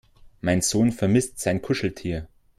Mein Sohn vermisst sein Kuscheltier.